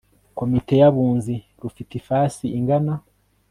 komite y abunzi rufite ifasi ingana